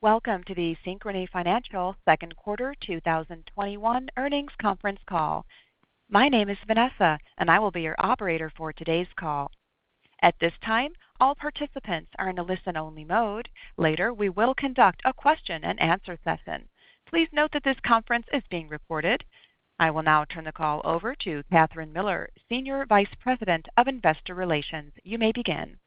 Welcome to the Synchrony Financial Q2 2021 earnings conference call. My name is Vanessa, and I will be your operator for today's call. At this time, all participants are in a listen-only mode. Later, we will conduct a question and answer session. Please note that this conference is being recorded. I will now turn the call over to Kathryn Miller, Senior Vice President, Investor Relations. You may begin.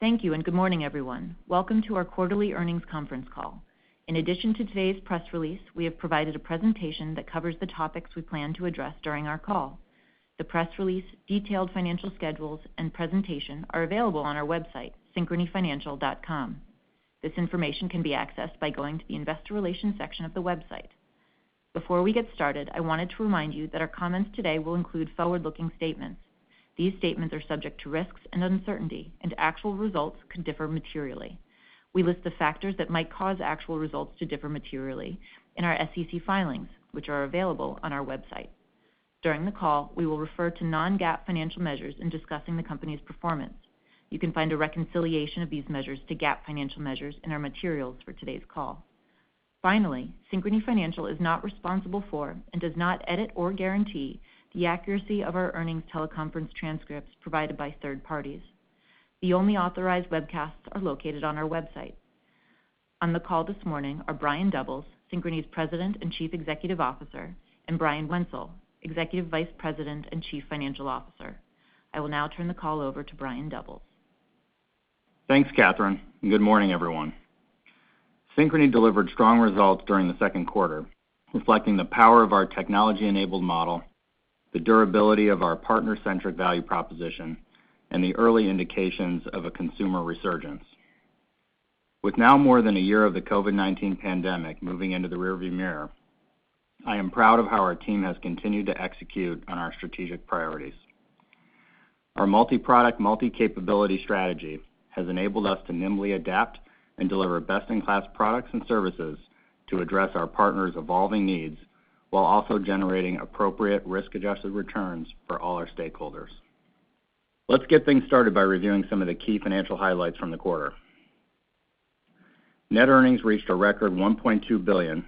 Thank you. Good morning, everyone. Welcome to our quarterly earnings conference call. In addition to today's press release, we have provided a presentation that covers the topics we plan to address during our call. The press release, detailed financial schedules, and presentation are available on our website, synchronyfinancial.com. This information can be accessed by going to the investor relations section of the website. Before we get started, I wanted to remind you that our comments today will include forward-looking statements. These statements are subject to risks and uncertainty, and actual results could differ materially. We list the factors that might cause actual results to differ materially in our SEC filings, which are available on our website. During the call, we will refer to non-GAAP financial measures in discussing the company's performance. You can find a reconciliation of these measures to GAAP financial measures in our materials for today's call. Finally, Synchrony Financial is not responsible for, and does not edit or guarantee the accuracy of our earnings teleconference transcripts provided by third parties. The only authorized webcasts are located on our website. On the call this morning are Brian Doubles, Synchrony's President and Chief Executive Officer, and Brian Wenzel, Executive Vice President and Chief Financial Officer. I will now turn the call over to Brian Doubles. Thanks, Kathryn, good morning, everyone. Synchrony delivered strong results during the Q2, reflecting the power of our technology-enabled model, the durability of our partner-centric value proposition, and the early indications of a consumer resurgence. With now more than a year of the COVID-19 pandemic moving into the rear-view mirror, I am proud of how our team has continued to execute on our strategic priorities. Our multi-product, multi-capability strategy has enabled us to nimbly adapt and deliver best-in-class products and services to address our partners' evolving needs while also generating appropriate risk-adjusted returns for all our stakeholders. Let's get things started by reviewing some of the key financial highlights from the quarter. Net earnings reached a record $1.2 billion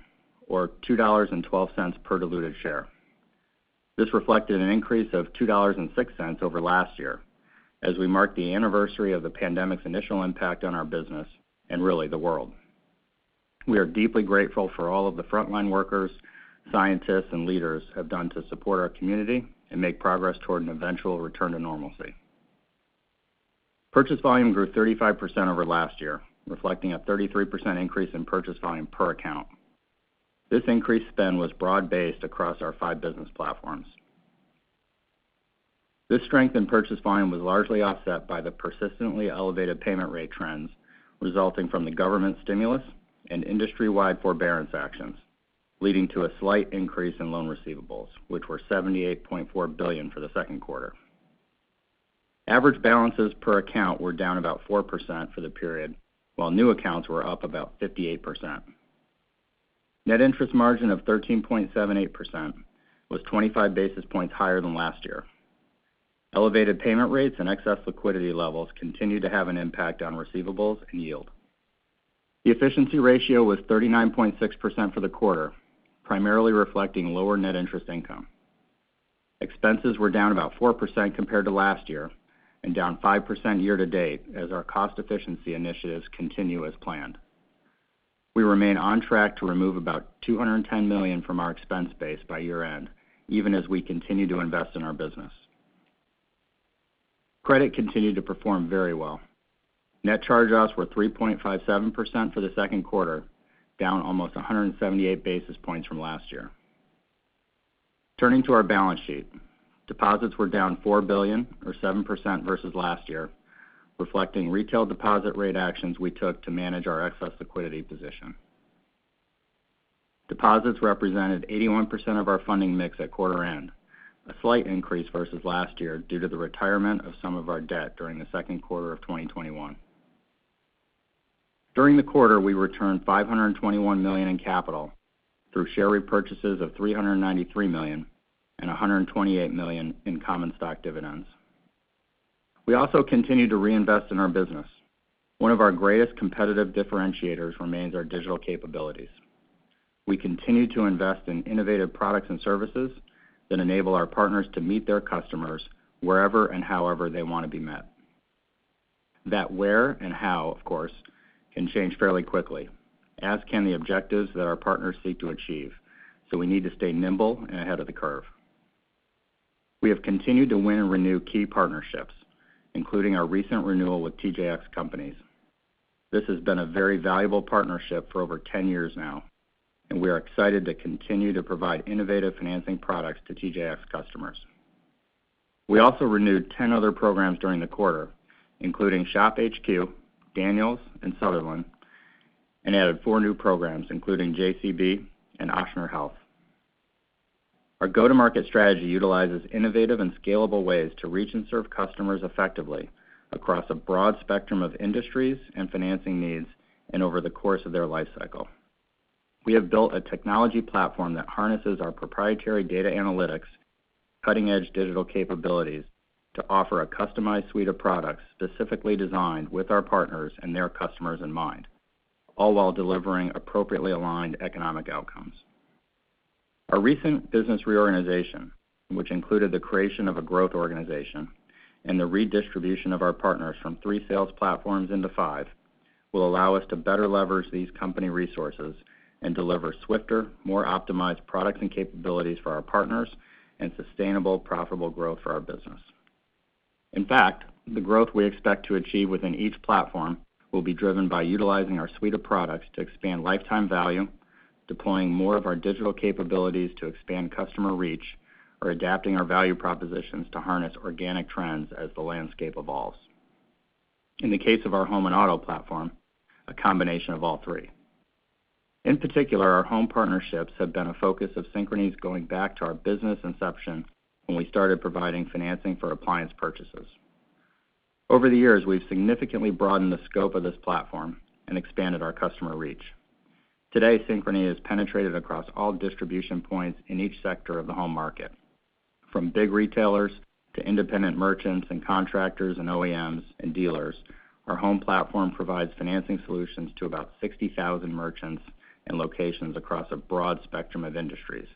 or $2.12 per diluted share. This reflected an increase of $2.06 over last year as we mark the anniversary of the pandemic's initial impact on our business and really the world. We are deeply grateful for all of the frontline workers, scientists, and leaders have done to support our community and make progress toward an eventual return to normalcy. Purchase volume grew 35% over last year, reflecting a 33% increase in purchase volume per account. This increased spend was broad-based across our five business platforms. This strength in purchase volume was largely offset by the persistently elevated payment rate trends resulting from the government stimulus and industry-wide forbearance actions, leading to a slight increase in loan receivables, which were $78.4 billion for the Q2. Average balances per account were down about 4% for the period, while new accounts were up about 58%. Net interest margin of 13.78% was 25 basis points higher than last year. Elevated payment rates and excess liquidity levels continue to have an impact on receivables and yield. The efficiency ratio was 39.6% for the quarter, primarily reflecting lower net interest income. Expenses were down about 4% compared to last year and down 5% year to date as our cost efficiency initiatives continue as planned. We remain on track to remove about $210 million from our expense base by year end, even as we continue to invest in our business. Credit continued to perform very well. net charge-offs were 3.57% for the Q2, down almost 178 basis points from last year. Turning to our balance sheet. Deposits were down $4 billion or 7% versus last year, reflecting retail deposit rate actions we took to manage our excess liquidity position. Deposits represented 81% of our funding mix at quarter end, a slight increase versus last year due to the retirement of some of our debt during the Q2 of 2021. During the quarter, we returned $521 million in capital through share repurchases of $393 million and $128 million in common stock dividends. We also continue to reinvest in our business. One of our greatest competitive differentiators remains our digital capabilities. We continue to invest in innovative products and services that enable our partners to meet their customers wherever and however they want to be met. That where and how, of course, can change fairly quickly, as can the objectives that our partners seek to achieve. We need to stay nimble and ahead of the curve. We have continued to win and renew key partnerships, including our recent renewal with TJX companies. This has been a very valuable partnership for over 10 years now, and we are excited to continue to provide innovative financing products to TJX customers. We also renewed 10 other programs during the quarter, including ShopHQ, Daniel's, and Sutherlands, and added four new programs, including JCB and Ochsner Health. Our go-to-market strategy utilizes innovative and scalable ways to reach and serve customers effectively across a broad spectrum of industries and financing needs and over the course of their life cycle. We have built a technology platform that harnesses our proprietary data analytics, cutting-edge digital capabilities to offer a customized suite of products specifically designed with our partners and their customers in mind, all while delivering appropriately aligned economic outcomes. Our recent business reorganization, which included the creation of a growth organization and the redistribution of our partners from three sales platforms into five, will allow us to better leverage these company resources and deliver swifter, more optimized products and capabilities for our partners and sustainable, profitable growth for our business. In fact, the growth we expect to achieve within each platform will be driven by utilizing our suite of products to expand lifetime value, deploying more of our digital capabilities to expand customer reach, or adapting our value propositions to harness organic trends as the landscape evolves. In the case of our Home and Auto platform, a combination of all three. In particular, our home partnerships have been a focus of Synchrony's going back to our business inception when we started providing financing for appliance purchases. Over the years, we've significantly broadened the scope of this platform and expanded our customer reach. Today, Synchrony is penetrated across all distribution points in each sector of the home market, from big retailers to independent merchants and contractors and OEMs and dealers. Our home platform provides financing solutions to about 60,000 merchants and locations across a broad spectrum of industries,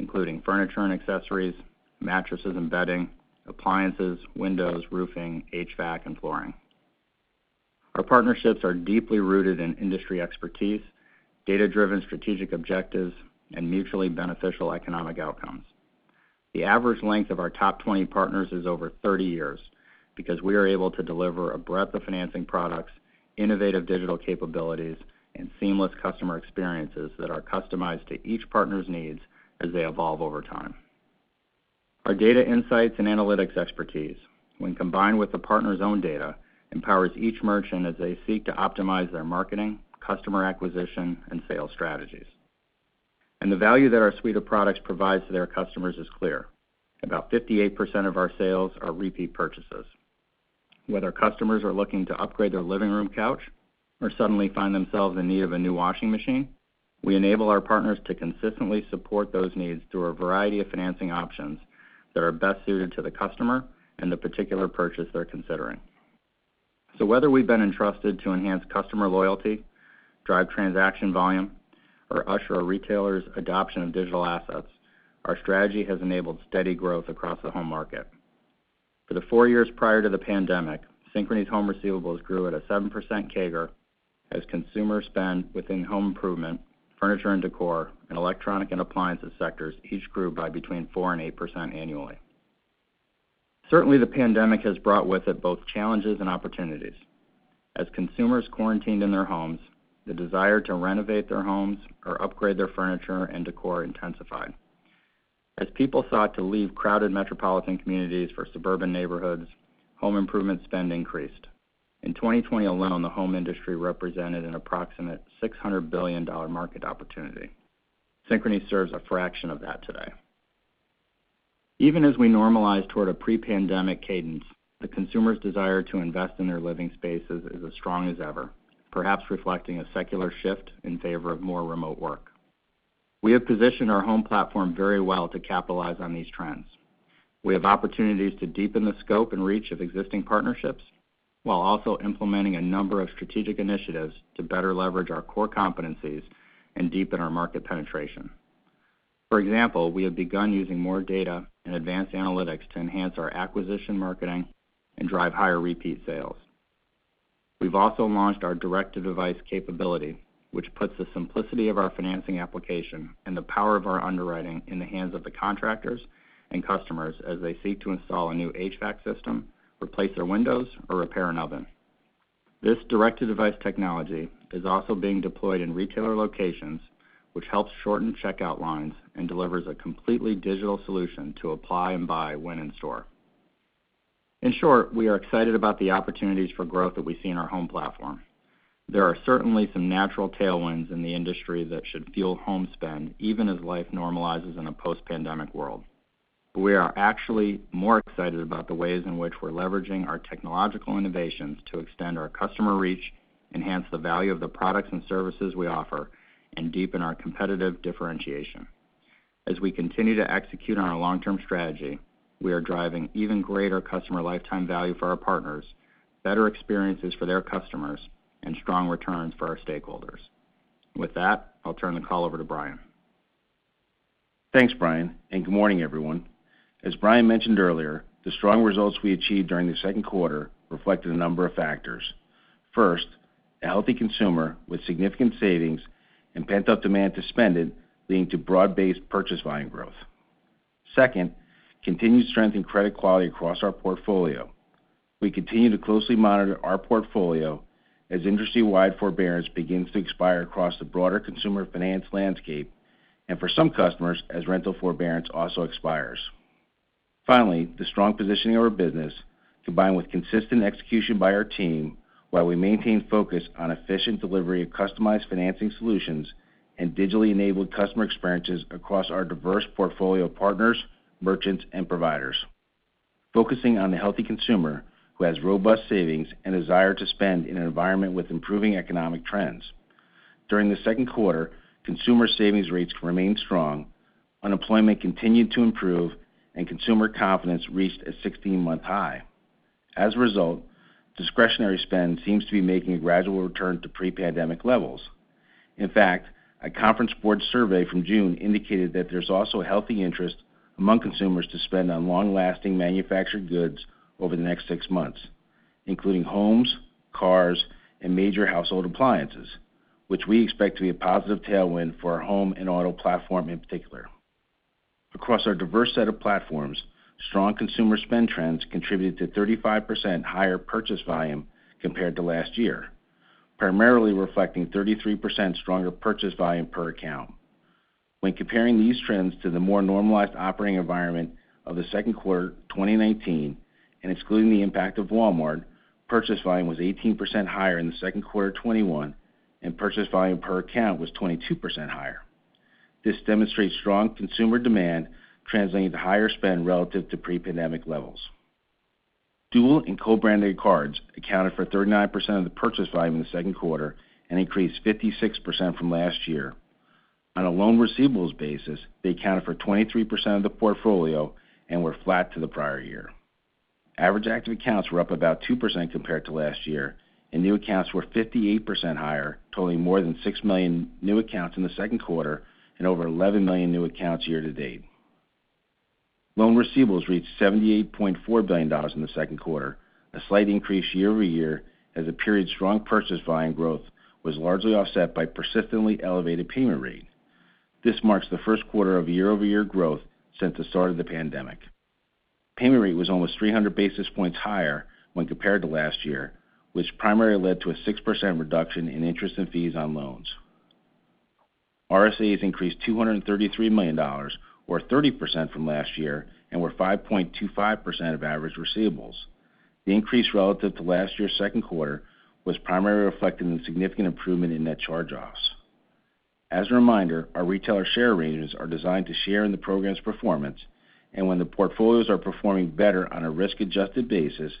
including furniture and accessories, mattresses and bedding, appliances, windows, roofing, HVAC, and flooring. Our partnerships are deeply rooted in industry expertise, data-driven strategic objectives, and mutually beneficial economic outcomes. The average length of our top 20 partners is over 30 years because we are able to deliver a breadth of financing products, innovative digital capabilities, and seamless customer experiences that are customized to each partner's needs as they evolve over time. Our data insights and analytics expertise, when combined with the partner's own data, empowers each merchant as they seek to optimize their marketing, customer acquisition, and sales strategies. The value that our suite of products provides to their customers is clear. About 58% of our sales are repeat purchases. Whether customers are looking to upgrade their living room couch or suddenly find themselves in need of a new washing machine, we enable our partners to consistently support those needs through a variety of financing options that are best suited to the customer and the particular purchase they're considering. Whether we've been entrusted to enhance customer loyalty, drive transaction volume, or usher a retailer's adoption of digital assets, our strategy has enabled steady growth across the home market. For the four years prior to the pandemic, Synchrony's home receivables grew at a 7% CAGR as consumer spend within home improvement, furniture and decor, and electronic and appliances sectors each grew by between 4% and 8% annually. Certainly, the pandemic has brought with it both challenges and opportunities. As consumers quarantined in their homes, the desire to renovate their homes or upgrade their furniture and decor intensified. As people sought to leave crowded metropolitan communities for suburban neighborhoods, home improvement spend increased. In 2020 alone, the home industry represented an approximate $600 billion market opportunity. Synchrony serves a fraction of that today. Even as we normalize toward a pre-pandemic cadence, the consumer's desire to invest in their living spaces is as strong as ever, perhaps reflecting a secular shift in favor of more remote work. We have positioned our home platform very well to capitalize on these trends. We have opportunities to deepen the scope and reach of existing partnerships while also implementing a number of strategic initiatives to better leverage our core competencies and deepen our market penetration. For example, we have begun using more data and advanced analytics to enhance our acquisition marketing and drive higher repeat sales. We've also launched our direct-to-device capability, which puts the simplicity of our financing application and the power of our underwriting in the hands of the contractors and customers as they seek to install a new HVAC system, replace their windows, or repair an oven. This direct-to-device technology is also being deployed in retailer locations, which helps shorten checkout lines and delivers a completely digital solution to apply and buy when in store. In short, we are excited about the opportunities for growth that we see in our home platform. There are certainly some natural tailwinds in the industry that should fuel home spend even as life normalizes in a post-pandemic world. We are actually more excited about the ways in which we're leveraging our technological innovations to extend our customer reach, enhance the value of the products and services we offer, and deepen our competitive differentiation. As we continue to execute on our long-term strategy, we are driving even greater customer lifetime value for our partners, better experiences for their customers, and strong returns for our stakeholders. With that, I'll turn the call over to Brian. Thanks, Brian. Good morning, everyone. As Brian mentioned earlier, the strong results we achieved during the Q2 reflected a number of factors. First, a healthy consumer with significant savings and pent-up demand to spend it, leading to broad-based purchase volume growth. Second, continued strength in credit quality across our portfolio. We continue to closely monitor our portfolio as industry-wide forbearance begins to expire across the broader consumer finance landscape and for some customers as rental forbearance also expires. Finally, the strong positioning of our business, combined with consistent execution by our team while we maintain focus on efficient delivery of customized financing solutions and digitally enabled customer experiences across our diverse portfolio of partners, merchants, and providers. Focusing on the healthy consumer who has robust savings and desire to spend in an environment with improving economic trends. During the Q2, consumer savings rates remained strong, unemployment continued to improve, and consumer confidence reached a 16-month high. As a result, discretionary spend seems to be making a gradual return to pre-pandemic levels. In fact, a Conference Board survey from June indicated that there's also a healthy interest among consumers to spend on long-lasting manufactured goods over the next six months, including homes, cars, and major household appliances, which we expect to be a positive tailwind for our Home and Auto platform in particular. Across our diverse set of platforms, strong consumer spend trends contributed to 35% higher purchase volume compared to last year, primarily reflecting 33% stronger purchase volume per account. When comparing these trends to the more normalized operating environment of the Q2 2019, and excluding the impact of Walmart, purchase volume was 18% higher in the Q2 2021, and purchase volume per account was 22% higher. This demonstrates strong consumer demand translating to higher spend relative to pre-pandemic levels. Dual and co-branded cards accounted for 39% of the purchase volume in the Q2 and increased 56% from last year. On a loan receivables basis, they accounted for 23% of the portfolio and were flat to the prior year. Average active accounts were up about 2% compared to last year, and new accounts were 58% higher, totaling more than six million new accounts in the Q2 and over 11 million new accounts year to date. Loan receivables reached $78.4 billion in the Q2, a slight increase year-over-year as the period's strong purchase volume growth was largely offset by persistently elevated payment rate. This marks the Q1 of year-over-year growth since the start of the pandemic. Payment rate was almost 300 basis points higher when compared to last year, which primarily led to a 6% reduction in interest and fees on loans. RSAs increased $233 million, or 30% from last year, and were 5.25% of average receivables. The increase relative to last year's Q2 was primarily reflected in significant improvement in net charge-offs. As a reminder, our Retailer Share Arrangements are designed to share in the program's performance, and when the portfolios are performing better on a risk-adjusted basis,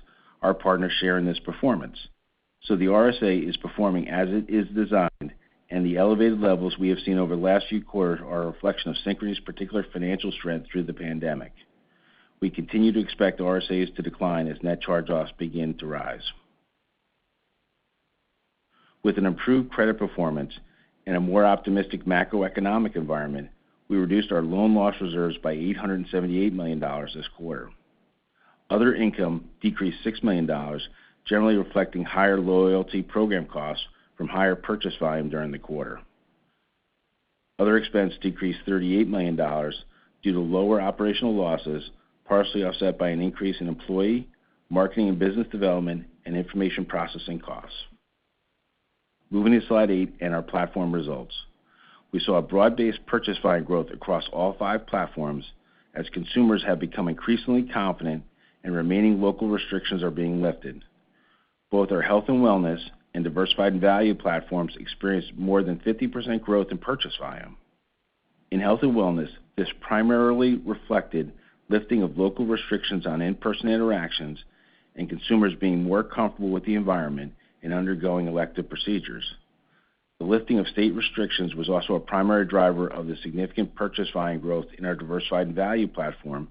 our partners share in this performance. The RSA is performing as it is designed, and the elevated levels we have seen over the last few quarters are a reflection of Synchrony's particular financial strength through the pandemic. We continue to expect RSAs to decline as net charge-offs begin to rise. With an improved credit performance and a more optimistic macroeconomic environment, we reduced our loan loss reserves by $878 million this quarter. Other income decreased $6 million, generally reflecting higher loyalty program costs from higher purchase volume during the quarter. Other expense decreased $38 million due to lower operational losses, partially offset by an increase in employee, marketing and business development, and information processing costs. Moving to slide eight and our platform results. We saw a broad-based purchase volume growth across all five platforms as consumers have become increasingly confident and remaining local restrictions are being lifted. Both our health and wellness and diversified value platforms experienced more than 50% growth in purchase volume. In health and wellness, this primarily reflected lifting of local restrictions on in-person interactions and consumers being more comfortable with the environment and undergoing elective procedures. The lifting of state restrictions was also a primary driver of the significant purchase volume growth in our diversified value platform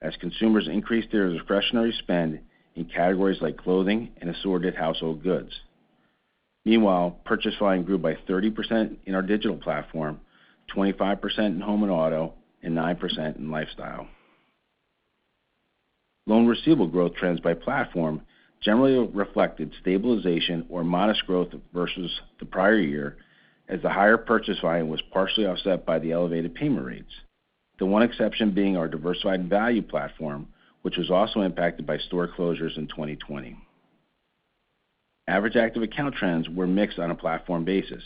as consumers increased their discretionary spend in categories like clothing and assorted household goods. Meanwhile, purchase volume grew by 30% in our digital platform, 25% in Home and Auto, and 9% in lifestyle. Loan receivable growth trends by platform generally reflected stabilization or modest growth versus the prior year as the higher purchase volume was partially offset by the elevated payment rates. The one exception being our diversified value platform, which was also impacted by store closures in 2020. Average active account trends were mixed on a platform basis.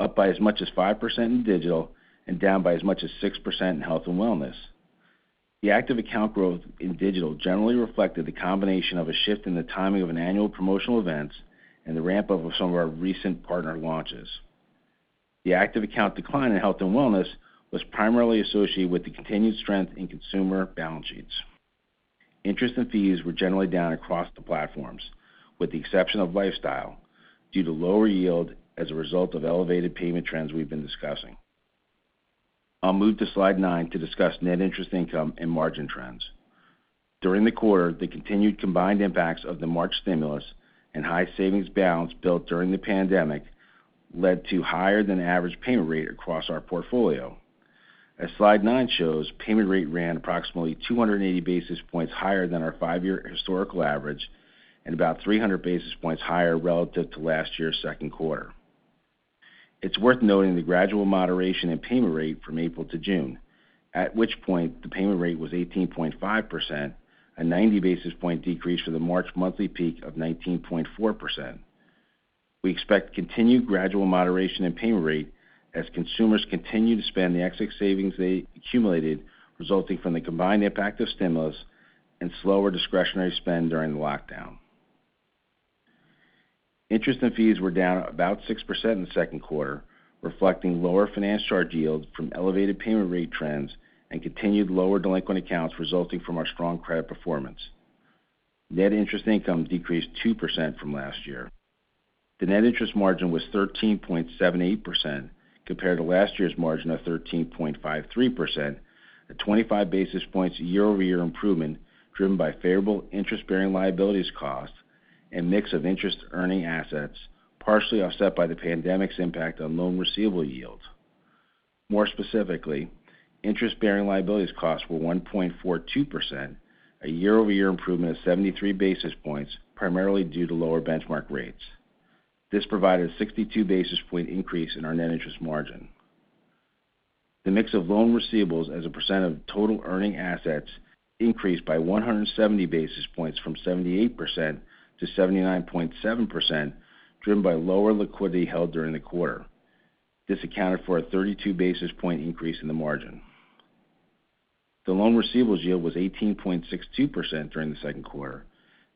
Up by as much as 5% in digital, and down by as much as 6% in health and wellness. The active account growth in digital generally reflected the combination of a shift in the timing of an annual promotional events and the ramp-up of some of our recent partner launches. The active account decline in health and wellness was primarily associated with the continued strength in consumer balance sheets. Interest and fees were generally down across the platforms. With the exception of Lifestyle, due to lower yield as a result of elevated payment trends we've been discussing. I'll move to slide nine to discuss net interest income and margin trends. During the quarter, the continued combined impacts of the March stimulus and high savings balance built during the pandemic led to higher than average payment rate across our portfolio. As slide nine shows, payment rate ran approximately 280 basis points higher than our five year historical average and about 300 basis points higher relative to last year's Q2. It's worth noting the gradual moderation in payment rate from April to June, at which point the payment rate was 18.5%, a 90-basis-point decrease to the March monthly peak of 19.4%. We expect continued gradual moderation in payment rate as consumers continue to spend the excess savings they accumulated, resulting from the combined impact of stimulus and slower discretionary spend during the lockdown. Interest and fees were down about 6% in the Q2, reflecting lower finance charge yields from elevated payment rate trends and continued lower delinquent accounts resulting from our strong credit performance. Net interest income decreased 2% from last year. The net interest margin was 13.78% compared to last year's margin of 13.53%, a 25 basis points year-over-year improvement driven by favorable interest-bearing liabilities costs and mix of interest-earning assets, partially offset by the pandemic's impact on loan receivable yields. More specifically, interest-bearing liabilities costs were 1.42%, a year-over-year improvement of 73 basis points, primarily due to lower benchmark rates. This provided a 62 basis point increase in our net interest margin. The mix of loan receivables as a percent of total earning assets increased by 170 basis points from 78%-79.7%, driven by lower liquidity held during the quarter. This accounted for a 32 basis point increase in the margin. The loan receivables yield was 18.62% during the Q2.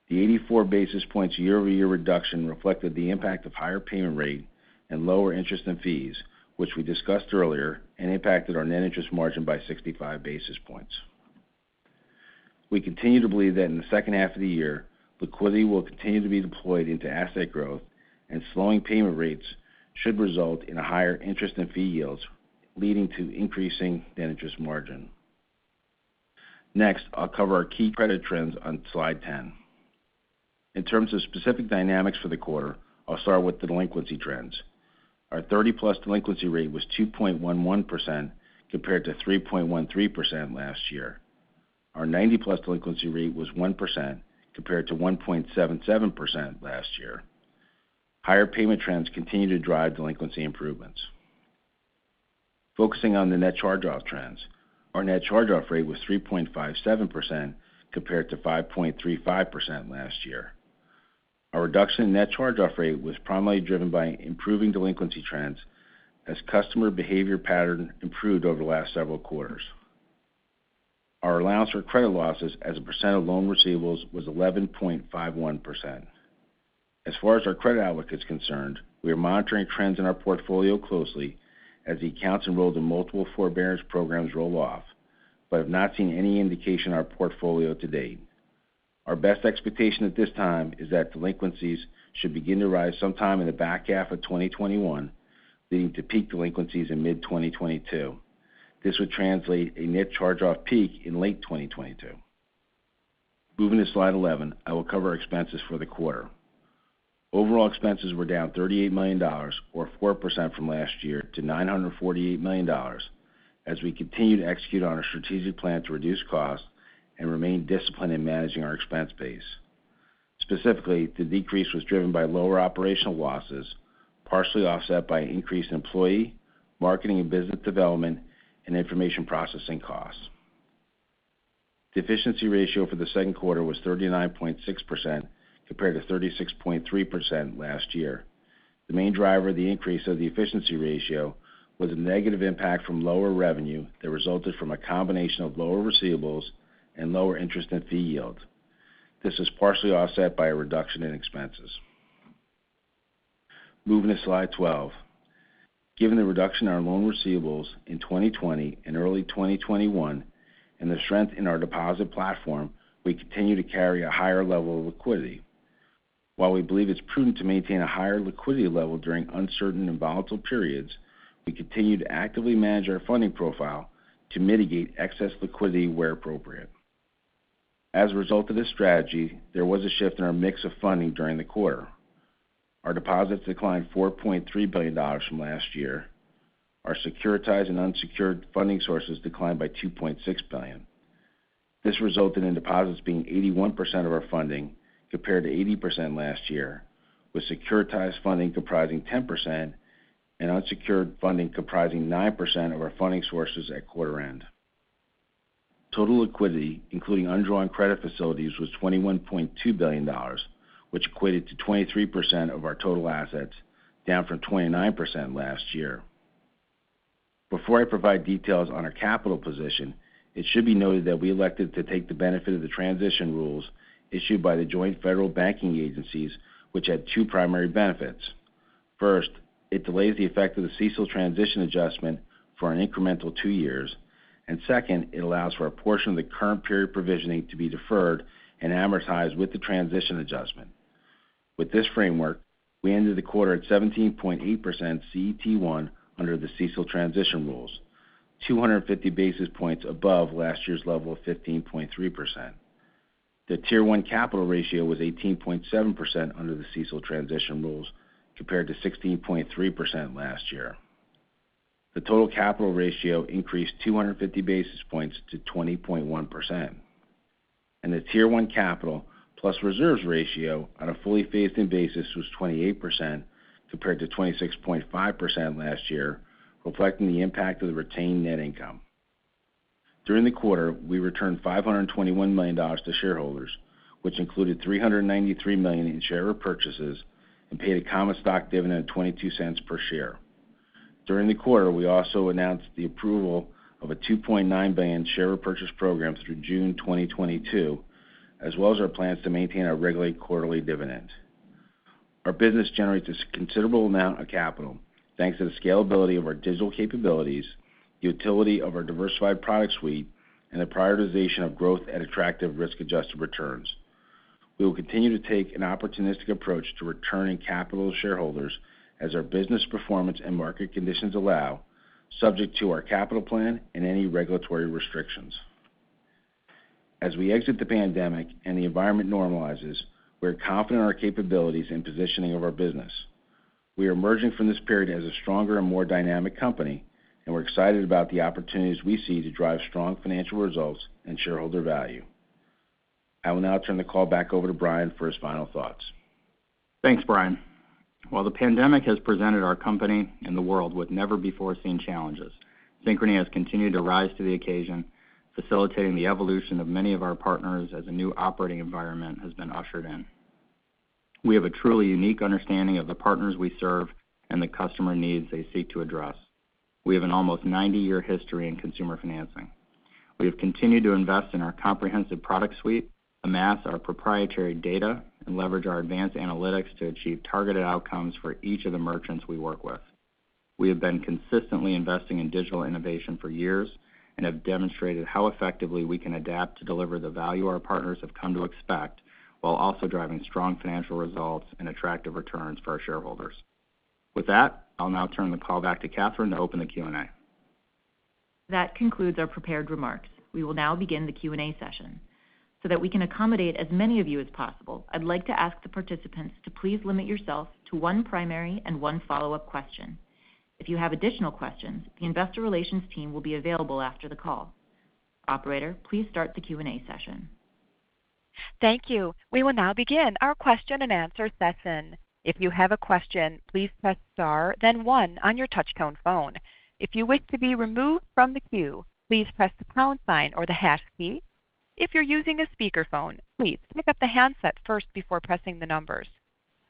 The 84 basis points year-over-year reduction reflected the impact of higher payment rate and lower interest and fees, which we discussed earlier and impacted our net interest margin by 65 basis points. We continue to believe that in the second half of the year, liquidity will continue to be deployed into asset growth and slowing payment rates should result in higher interest and fee yields, leading to increasing net interest margin. Next, I'll cover our key credit trends on slide 10. In terms of specific dynamics for the quarter, I'll start with delinquency trends. Our 30-plus delinquency rate was 2.11% compared to 3.13% last year. Our 90-plus delinquency rate was 1% compared to 1.77% last year. Higher payment trends continue to drive delinquency improvements. Focusing on the net charge-off trends, our net charge-off rate was 3.57% compared to 5.35% last year. Our reduction in net charge-off rate was primarily driven by improving delinquency trends as customer behavior pattern improved over the last several quarters. Our allowance for credit losses as a percent of loan receivables was 11.51%. As far as our credit outlook is concerned, we are monitoring trends in our portfolio closely as the accounts enrolled in multiple forbearance programs roll off, but have not seen any indication in our portfolio to date. Our best expectation at this time is that delinquencies should begin to rise sometime in the back half of 2021, leading to peak delinquencies in mid-2022. This would translate a net charge-off peak in late 2022. Moving to slide 11, I will cover expenses for the quarter. Overall expenses were down $38 million, or 4% from last year to $948 million, as we continue to execute on our strategic plan to reduce costs and remain disciplined in managing our expense base. Specifically, the decrease was driven by lower operational losses, partially offset by an increase in employee, marketing and business development, and information processing costs. The efficiency ratio for the Q2 was 39.6% compared to 36.3% last year. The main driver of the increase of the efficiency ratio was a negative impact from lower revenue that resulted from a combination of lower receivables and lower interest and fee yields. This is partially offset by a reduction in expenses. Moving to slide 12. Given the reduction in our loan receivables in 2020 and early 2021 and the strength in our deposit platform, we continue to carry a higher level of liquidity. While we believe it's prudent to maintain a higher liquidity level during uncertain and volatile periods, we continue to actively manage our funding profile to mitigate excess liquidity where appropriate. As a result of this strategy, there was a shift in our mix of funding during the quarter. Our deposits declined $4.3 billion from last year. Our securitized and unsecured funding sources declined by $2.6 billion. This resulted in deposits being 81% of our funding, compared to 80% last year, with securitized funding comprising 10% and unsecured funding comprising 9% of our funding sources at quarter end. Total liquidity, including undrawn credit facilities, was $21.2 billion, which equated to 23% of our total assets, down from 29% last year. Before I provide details on our capital position, it should be noted that we elected to take the benefit of the transition rules issued by the joint federal banking agencies, which had two primary benefits. First, it delays the effect of the CECL transition adjustment for an incremental two years. And second, it allows for a portion of the current period provisioning to be deferred and amortized with the transition adjustment. With this framework, we ended the quarter at 17.8% CET1 under the CECL transition rules, 250 basis points above last year's level of 15.3%. The Tier 1 capital ratio was 18.7% under the CECL transition rules, compared to 16.3% last year. The total capital ratio increased 250 basis points to 20.1%. The Tier 1 capital plus reserves ratio on a fully phased-in basis was 28%, compared to 26.5% last year, reflecting the impact of the retained net income. During the quarter, we returned $521 million to shareholders, which included $393 million in share repurchases and paid a common stock dividend of $0.22 per share. During the quarter, we also announced the approval of a $2.9 billion share repurchase program through June 2022, as well as our plans to maintain our regulated quarterly dividend. Our business generates a considerable amount of capital, thanks to the scalability of our digital capabilities, the utility of our diversified product suite, and the prioritization of growth at attractive risk-adjusted returns. We will continue to take an opportunistic approach to returning capital to shareholders as our business performance and market conditions allow, subject to our capital plan and any regulatory restrictions. As we exit the pandemic and the environment normalizes, we're confident in our capabilities and positioning of our business. We are emerging from this period as a stronger and more dynamic company. We're excited about the opportunities we see to drive strong financial results and shareholder value. I will now turn the call back over to Brian for his final thoughts. Thanks, Brian. While the pandemic has presented our company and the world with never-before-seen challenges, Synchrony has continued to rise to the occasion, facilitating the evolution of many of our partners as a new operating environment has been ushered in. We have a truly unique understanding of the partners we serve and the customer needs they seek to address. We have an almost 90-year history in consumer financing. We have continued to invest in our comprehensive product suite, amass our proprietary data, and leverage our advanced analytics to achieve targeted outcomes for each of the merchants we work with. We have been consistently investing in digital innovation for years and have demonstrated how effectively we can adapt to deliver the value our partners have come to expect, while also driving strong financial results and attractive returns for our shareholders. With that, I'll now turn the call back to Kathryn to open the Q&A. That concludes our prepared remarks. We will now begin the Q&A session. That we can accommodate as many of you as possible, I'd like to ask the participants to please limit yourself to one primary and one follow-up question. If you have additional questions, the investor relations team will be available after the call. Operator, please start the Q&A session. Thank you. We will now begin our question and answer session. If you have a question, please press star then one on your touchtone phone. If you wish to be removed from the queue, please press the pound sign or the hash key. If you're using a speakerphone, please pick up the handset first before pressing the numbers.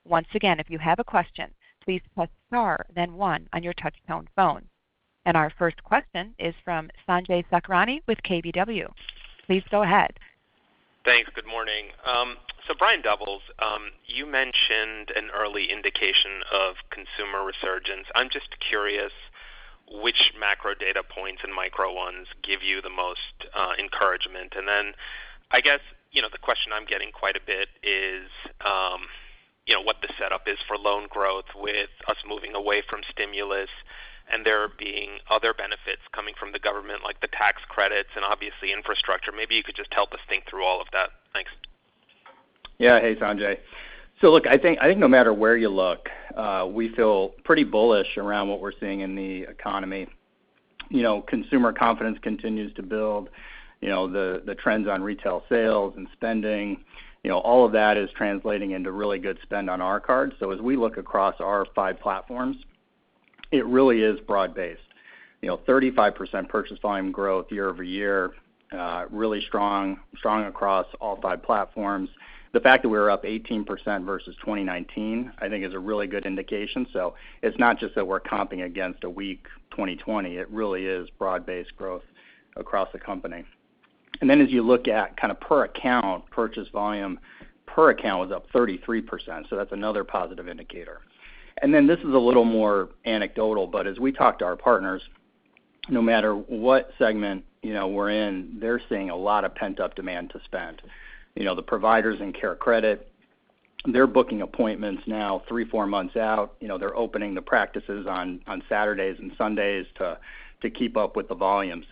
Once again, if you have a question, please press star then one on your touchtone phone. Our first question is from Sanjay Sakhrani with KBW. Please go ahead. Thanks. Good morning. Brian Doubles, you mentioned an early indication of consumer resurgence i'm just curious which macro data points and micro ones give you the most encouragement and, i guess the question I'm getting quite a bit is what the setup is for loan growth with us moving away from stimulus and there being other benefits coming from the government, like the tax credits and obviously infrastructure maybe you could just help us think through all of that. Thanks. Yeah hey, Sanjay. Look, I think no matter where you look, we feel pretty bullish around what we're seeing in the economy. You know consumer confidence continues to build. The trends on retail sales and spending, all of that is translating into really good spend on our cards as we look across our five platforms- It really is broad-based. You know 35% purchase volume growth year-over-year, really strong across all five platforms. The fact that we were up 18% versus 2019, I think is a really good indication so, it's not just that we're comping against a weak 2020 it really is broad-based growth across the company. As you look at kind of per account purchase volume, per account was up 33% that's another positive indicator. This is a little more anecdotal, but as we talk to our partners, no matter what segment we're in, they're seeing a lot of pent-up demand to spend. The providers in CareCredit, they're booking appointments now three, four months out, they're opening the practices on Saturdays and Sundays to keep up with the volume.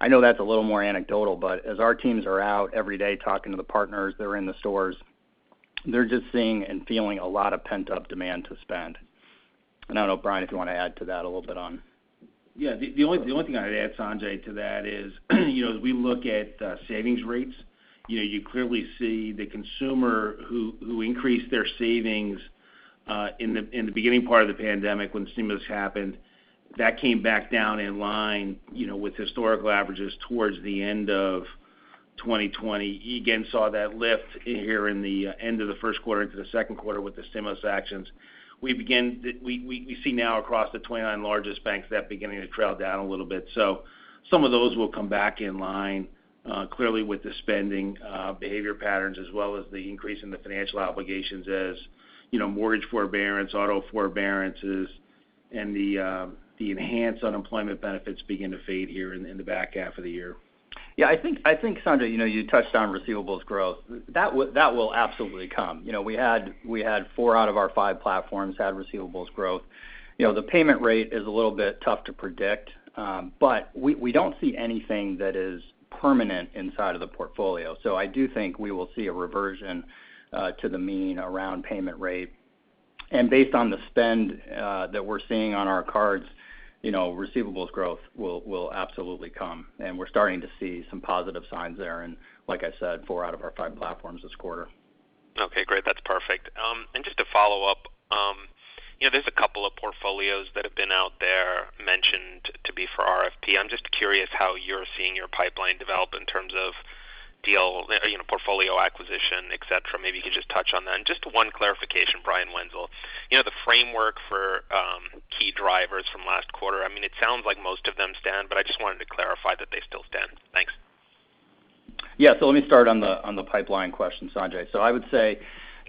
I know that's a little more anecdotal, but as our teams are out every day talking to the partners that are in the stores, they're just seeing and feeling a lot of pent-up demand to spend. I don't know, Brian, if you want to add to that a little bit on. Yeah. The only thing I'd add, Sanjay, to that is as we look at savings rates, you clearly see the consumer who increased their savings in the beginning part of the pandemic when stimulus happened. That came back down in line with historical averages towards the end of 2020 you again saw that lift here in the end of the Q1 into the Q2 with the stimulus actions. We see now across the 29 largest banks, that beginning to trail down a little bit. Some of those will come back in line clearly with the spending behavior patterns as well as the increase in the financial obligations as mortgage forbearance, auto forbearances, and the enhanced unemployment benefits begin to fade here in the back half of the year. I think, Sanjay you touched on receivables growth, that will absolutely come we had four out of our five platforms had receivables growth. The payment rate is a little bit tough to predict. But, we don't see anything that is permanent inside of the portfolio so i do think we will see a reversion to the mean around payment rate. Based on the spend that we're seeing on our cards, receivables growth will absolutely come, and we're starting to see some positive signs there in, like I said, four out of our five platforms this quarter. Okay, great that's perfect. Just to follow up. There's a couple of portfolios that have been out there for RFP i'm just curious how you're seeing your pipeline develop in terms of deal, portfolio acquisition, et cetera maybe you could just touch on that just one clarification, Brian Wenzel, the framework for key drivers from last quarter, it sounds like most of them stand, but I just wanted to clarify that they still stand. Thanks. Yeah. Let me start on the pipeline question, Sanjay i would say,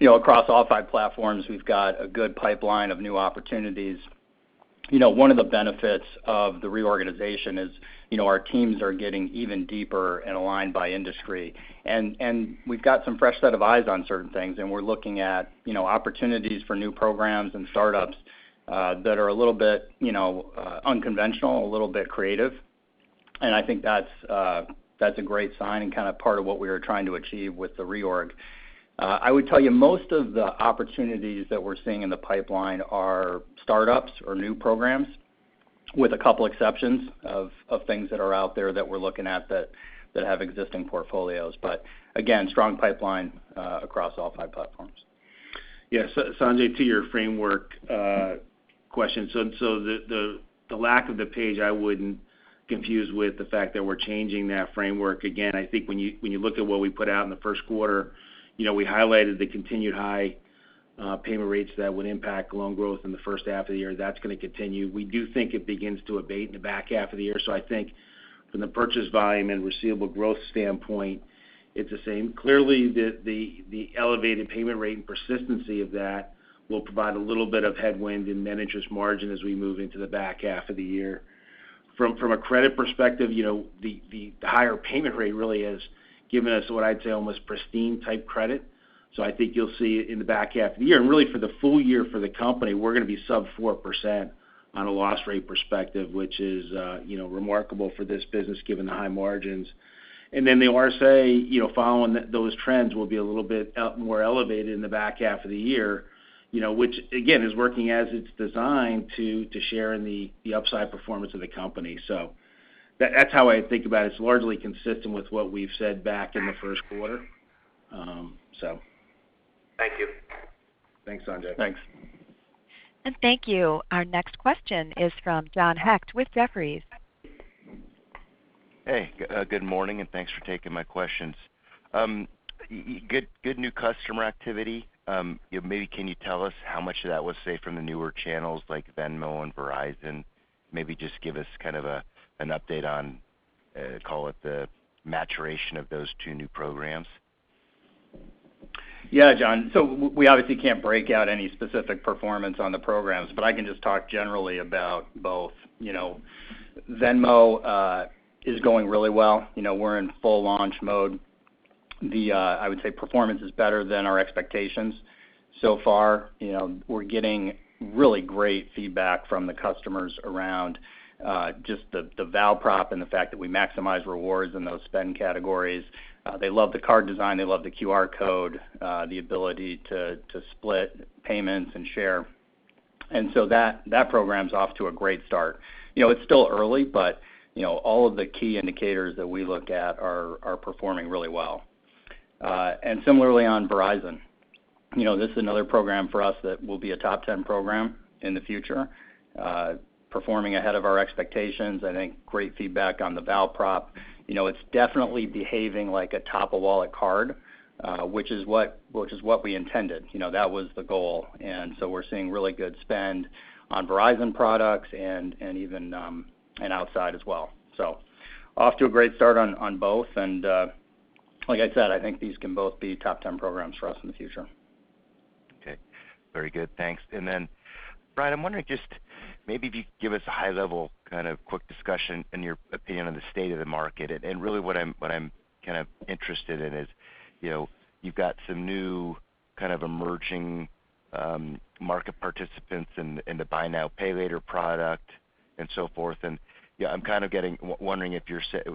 across all five platforms, we've got a good pipeline of new opportunities. One of the benefits of the reorganization is our teams are getting even deeper and aligned by industry. We've got some fresh set of eyes on certain things, and we're looking at opportunities for new programs and startups that are a little bit unconventional, a little bit creative. I think that's a great sign and kind of part of what we were trying to achieve with the reorg. I would tell you most of the opportunities that we're seeing in the pipeline are startups or new programs, with a couple exceptions of things that are out there that we're looking at that have existing portfolios but, again, strong pipeline, across all five platforms. Yeah. Sanjay, to your framework question. The lack of the pace, I wouldn't confuse with the fact that we're changing that framework again i think when you look at what we put out in the Q1, we highlighted the continued high payment rates that would impact loan growth in the first half of the year that's going to continue we do think it begins to abate in the back half of the year so i think- From the purchase volume and receivable growth standpoint, it's the same clearly, the elevated payment rate and persistency of that will provide a little bit of headwind in net interest margin as we move into the back half of the year. From a credit perspective, the higher payment rate really has given us what I'd say almost pristine-type credit. I think you'll see in the back half of the year, and really for the full year for the company, we're going to be sub 4% on a loss rate perspective, which is remarkable for this business given the high margins. The RSA following those trends will be a little bit more elevated in the back half of the year, which again, is working as it's designed to share in the upside performance of the company. That's how I think about it it's largely consistent with what we've said back in the Q1. Thank you. Thanks, Sanjay. Thanks. Thank you. Our next question is from John Hecht with Jefferies. Hey, good morning, and thanks for taking my questions. Good new customer activity. Maybe can you tell us how much of that was, say, from the newer channels like Venmo and Verizon? Maybe just give us kind of an update on, call it the maturation of those two new programs. Yeah, John we obviously can't break out any specific performance on the programs, but I can just talk generally about both. Venmo is going really well, we're in full launch mode. I would say performance is better than our expectations so far we're getting really great feedback from the customers around just the val prop and the fact that we maximize rewards in those spend categories. They love the card design they love the QR code, the ability to split payments and share. That program's off to a great start. It's still early, but all of the key indicators that we look at are performing really well. Similarly on Verizon. This is another program for us that will be a top 10 program in the future. Performing ahead of our expectations i think great feedback on the val prop. You know It's definitely behaving like a top-of-wallet card, which is what we intended that was the goal. And we're seeing really good spend on Verizon products and outside as well. Off to a great start on both. Like I said, I think these can both be top 10 programs for us in the future. Okay. Very good thanks. Then Brian, I'm wondering just maybe if you could give us a high-level kind of quick discussion in your opinion on the state of the market and really what I'm kind of interested in is you've got some new kind of emerging market participants in the buy now, pay later product and so forth. I'm kind of wondering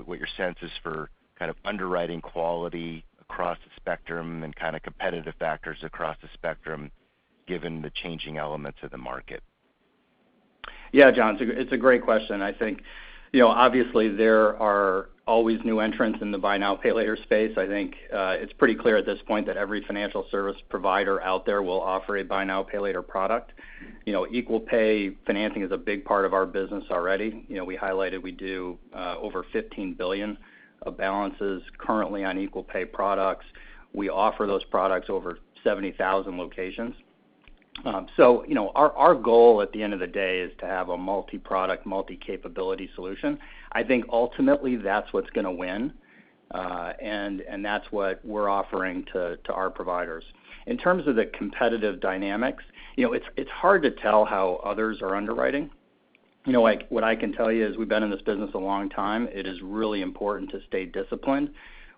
what your sense is for kind of underwriting quality across the spectrum and kind of competitive factors across the spectrum given the changing elements of the market. Yeah, John it's a great question i think, obviously there are always new entrants in the buy now, pay later space i think it's pretty clear at this point that every financial service provider out there will offer a buy now, pay later product. Equal Pay financing is a big part of our business already, we highlighted we do over $15 billion of balances currently on Equal Pay products. We offer those products over 70,000 locations. Our goal at the end of the day is to have a multi-product, multi-capability solution. I think ultimately that's what's going to win. That's what we're offering to our providers. In terms of the competitive dynamics, it's hard to tell how others are underwriting. What I can tell you is we've been in this business a long time. It is really important to stay disciplined,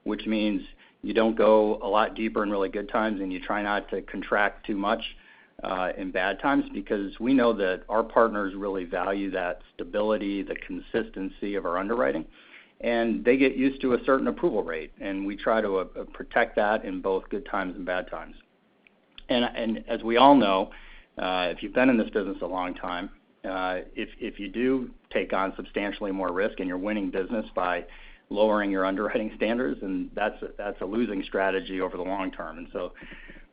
which means you don't go a lot deeper in really good times, and you try not to contract too much in bad times because we know that our partners really value that stability, the consistency of our underwriting. They get used to a certain approval rate, and we try to protect that in both good times and bad times. As we all know, if you've been in this business a long time, if you do take on substantially more risk and you're winning business by lowering your underwriting standards, that's a losing strategy over the long term.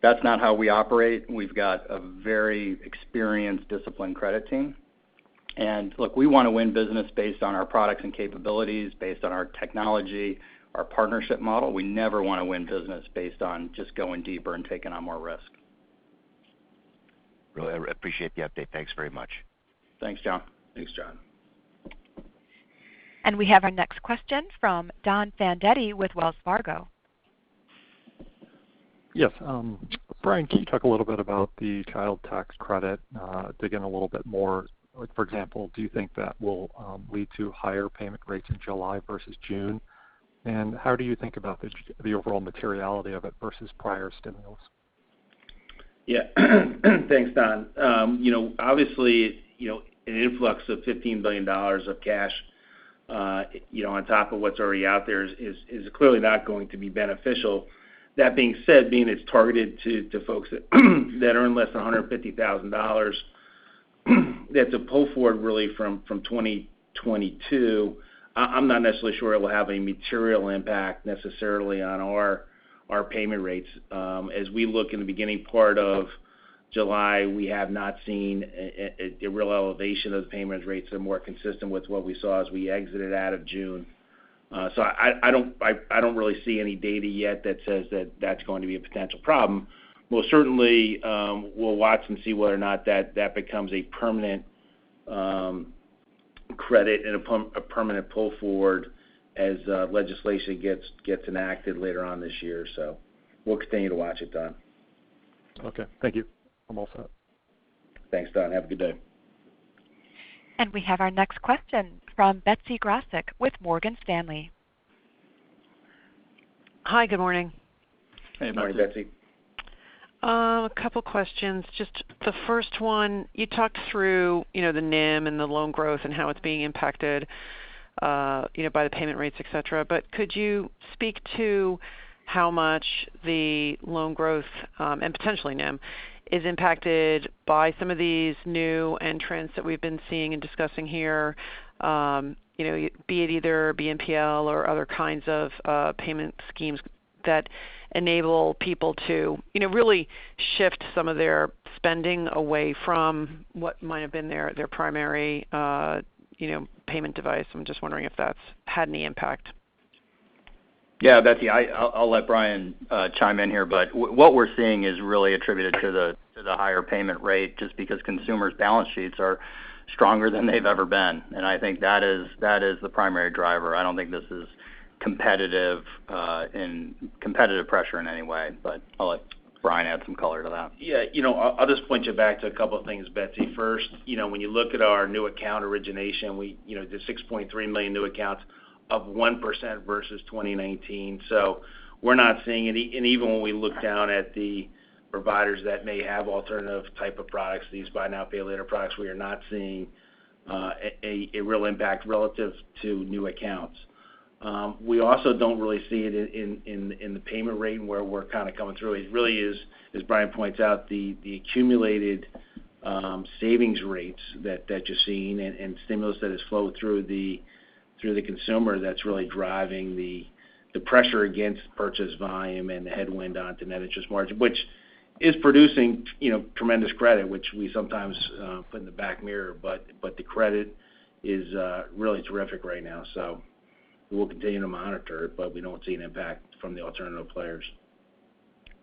That's not how we operate we've got a very experienced, disciplined credit team. And, we want to win business based on our products and capabilities, based on our technology, our partnership model we never want to win business based on just going deeper and taking on more risk. Really appreciate the update. Thanks very much. Thanks, John. Thanks, John. We have our next question from Donald Fandetti with Wells Fargo. Yes. Brian, can you talk a little bit about the Child Tax Credit, dig in a little bit more? For example, do you think that will lead to higher payment rates in July versus June? How do you think about the overall materiality of it versus prior stimulus? Thanks, Don. An influx of $15 billion of cash on top of what's already out there is clearly not going to be beneficial. Being it's targeted to folks that earn less than $150,000, that's a pull forward really from 2022. I'm not necessarily sure it will have any material impact necessarily on our payment rates. As we look in the beginning part of July, we have not seen a real elevation of the payment rates they're more consistent with what we saw as we exited out of June. I don't really see any data yet that says that that's going to be a potential problem. Most certainly, we'll watch and see whether or not that becomes a permanent credit and a permanent pull forward as legislation gets enacted later on this year. We'll continue to watch it, Don. Okay, thank you. I'm all set. Thanks, Don. Have a good day. We have our next question from Betsy Graseck with Morgan Stanley. Hi, good morning. Hey, morning, Betsy. A couple questions. Just the first one, you talked through the NIM and the loan growth and how it's being impacted by the payment rates, et cetera but could you speak to how much the loan growth, and potentially NIM, is impacted by some of these new entrants that we've been seeing and discussing here, be it either BNPL or other kinds of payment schemes that enable people to really shift some of their spending away from what might have been their primary payment device? I'm just wondering if that's had any impact. Yeah, Betsy, I'll let Brian chime in here what we're seeing is really attributed to the higher payment rate just because consumers' balance sheets are stronger than they've ever been. And i think that is the primary driver i don't think this is competitive pressure in any way. I'll let Brian add some color to that. I'll just point you back to a couple of things, Betsy first, when you look at our new account origination, the 6.3 million new accounts, up 1% versus 2019. Even when we look down at the providers that may have alternative type of products, these buy now, pay later products, we are not seeing a real impact relative to new accounts. We also don't really see it in the payment rate where we're kind of coming through, it really is, as Brian points out, the accumulated savings rates that you're seeing and stimulus that has flowed through the consumer that's really driving the pressure against purchase volume and the headwind onto net interest margin which, is producing tremendous credit, which we sometimes put in the back mirror but the credit is really terrific right now. We will continue to monitor it, but we don't see an impact from the alternative players.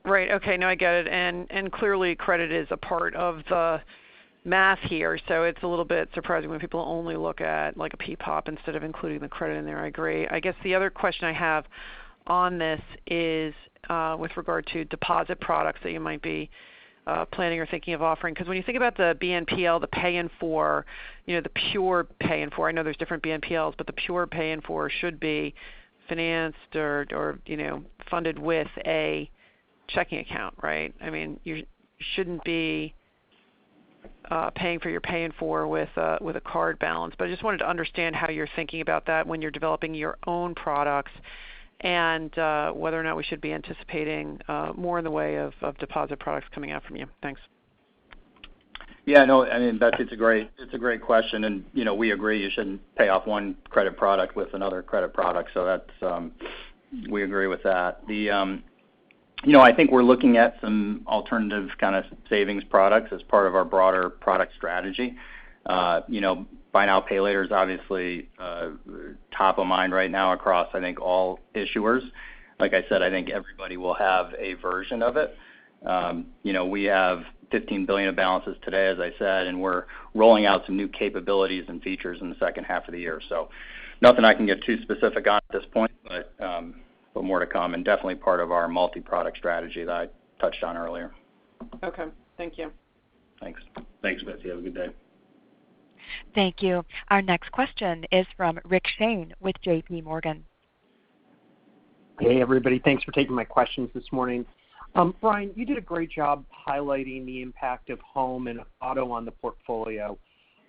Right. Okay, now I get it. Clearly, credit is a part of the math here, so it's a little bit surprising when people only look at like a PPOP instead of including the credit in there i agree, i guess the other question I have on this is with regard to deposit products that you might be planning or thinking of offering, because when you think about the BNPL the Pay in 4- The pure Pay in 4, I know there's different BNPLs, but the pure Pay in 4 should be financed or funded with a checking account, right? You shouldn't be paying for your Pay in 4 with a card balance i just wanted to understand how you're thinking about that when you're developing your own products and whether or not we should be anticipating more in the way of deposit products coming out from you. Thanks. Yeah, no, I mean, Betsy, it's a great question and we agree, you shouldn't pay off one credit product with another credit product. We agree with that. I think we're looking at some alternative kind of savings products as part of our broader product strategy. You know buy now, pay later is obviously top of mind right now across, I think, all issuers. Like I said, I think everybody will have a version of it. We have $15 billion of balances today, as I said, and we're rolling out some new capabilities and features in the second half of the year. Nothing I can get too specific on at this point, but more to come and definitely part of our multi-product strategy that I touched on earlier. Okay. Thank you. Thanks. Thanks, Betsy. Have a good day. Thank you. Our next question is from Rick Shane with J.P. Morgan. Hey, everybody thanks for taking my questions this morning. Brian, you did a great job highlighting the impact of Home and Auto on the portfolio.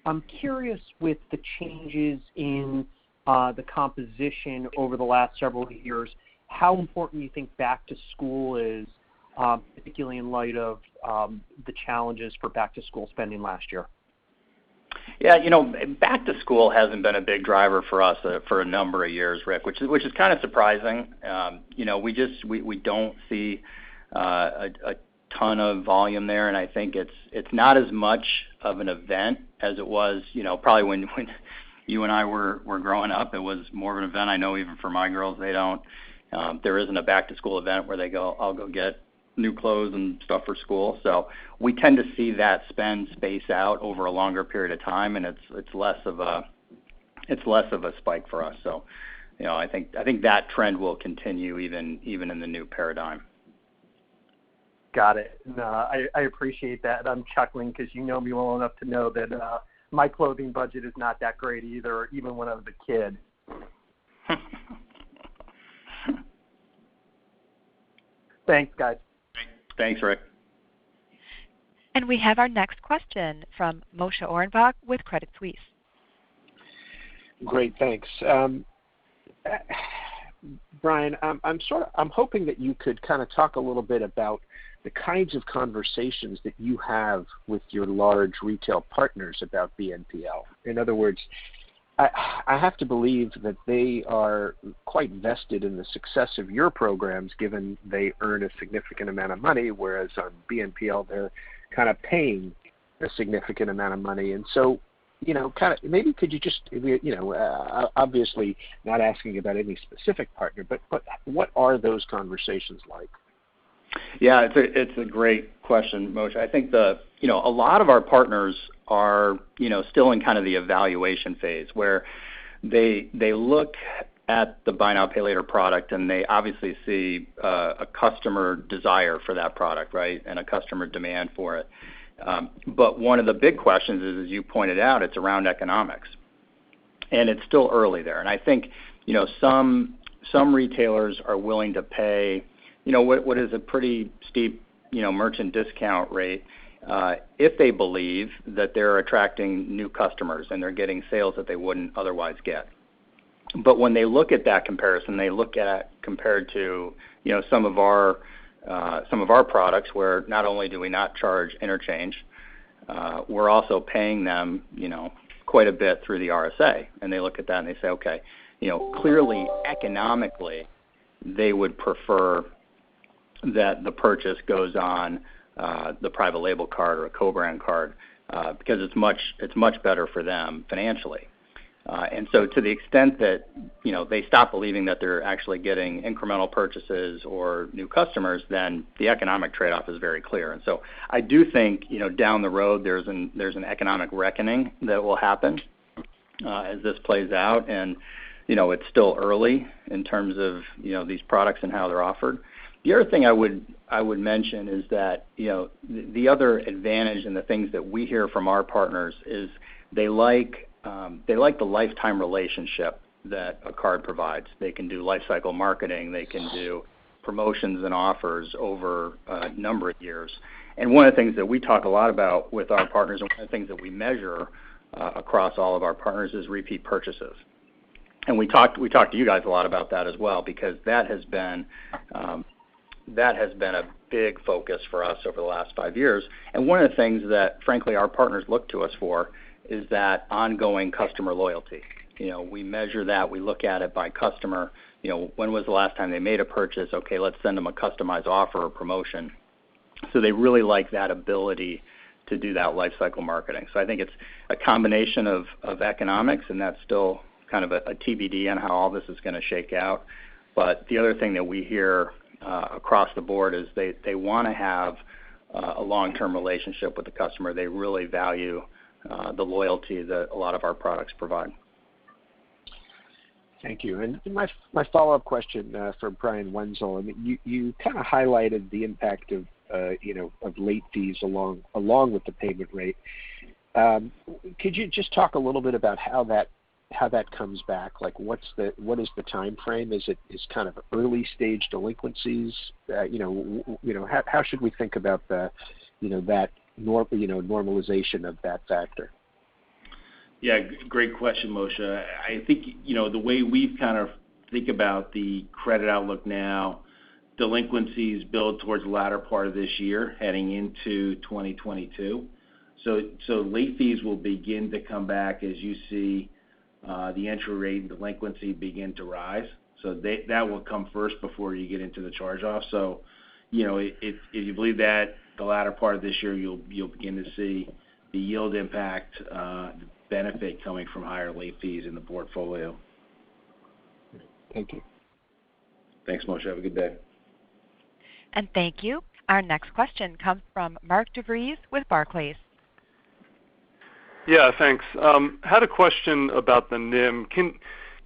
I'm curious with the changes in the composition over the last several years, how important you think back-to-school is, particularly in light of the challenges for back-to-school spending last year. Yeah back-to-school hasn't been a big driver for us for a number of years, Rick, which is kind of surprising. We don't see a ton of volume there, and I think it's not as much of an event as it was probably when you and I were growing up it was more of an event. I know even for my girls, there isn't a back-to-school event where they go, "I'll go get new clothes and stuff for school." We tend to see that spend space out over a longer period of time, and it's less of a spike for us. I think that trend will continue even in the new paradigm. Got it. No, I appreciate that i'm chuckling because you know me well enough to know that my clothing budget is not that great either, even when I was a kid. Thanks, guys. Thanks, Rick. We have our next question from Moshe Orenbuch with Credit Suisse. Great. Thanks. Brian, I'm hoping that you could talk a little bit about the kinds of conversations that you have with your large retail partners about BNPL in other words, I have to believe that they are quite vested in the success of your programs, given they earn a significant amount of money, whereas on BNPL, they're kind of paying a significant amount of money. Obviously not asking about any specific partner, but what are those conversations like? Yeah. It's a great question, Moshe i think a lot of our partners are still in kind of the evaluation phase, where they look at the buy now, pay later product, and they obviously see a customer desire for that product, and a customer demand for it. One of the big questions is, as you pointed out, it's around economics. It's still early there and i think some retailers are willing to pay what is a pretty steep merchant discount rate if they believe that they're attracting new customers and they're getting sales that they wouldn't otherwise get. When they look at that comparison, they look at compared to some of our products where not only do we not charge interchange, we're also paying them quite a bit through the RSA and they look at that and they say, okay, clearly economically, they would prefer that the purchase goes on the private label card or a co-brand card, because it's much better for them financially. To the extent that they stop believing that they're actually getting incremental purchases or new customers, then the economic trade-off is very clear. I do think, down the road, there's an economic reckoning that will happen as this plays out, and it's still early in terms of these products and how they're offered. The other thing I would mention is that the other advantage and the things that we hear from our partners is they like the lifetime relationship that a card provides, they can do life cycle marketing, they can do promotions and offers over a number of years. One of the things that we talk a lot about with our partners and one of the things that we measure across all of our partners is repeat purchases. We talked to you guys a lot about that as well, because that has been a big focus for us over the last five years. One of the things that, frankly, our partners look to us for is that ongoing customer loyalty. You know we measure that we look at it by customer. When was the last time they made a purchase okay, let's send them a customized offer or promotion. They really like that ability to do that life cycle marketing i think it's a combination of economics, and that's still kind of a TBD on how all this is going to shake out. The other thing that we hear across the board is they want to have a long-term relationship with the customer they really value the loyalty that a lot of our products provide. Thank you. My follow-up question for Brian Wenzel you kind of highlighted the impact of late fees along with the payment rate. Could you just talk a little bit about how that comes back? What is the time frame? Is it kind of early-stage delinquencies? How should we think about that normalization of that factor? Yeah. Great question, Moshe. I think the way we kind of think about the credit outlook now, delinquencies build towards the latter part of this year, heading into 2022. Late fees will begin to come back as you see the entry rate and delinquency begin to rise. That will come first before you get into the charge-off. If you believe that the latter part of this year, you'll begin to see the yield impact, the benefit coming from higher late fees in the portfolio. Thank you. Thanks, Moshe. Have a good day. Thank you. Our next question comes from Mark DeVries with Barclays. Yeah, thanks. Had a question about the NIM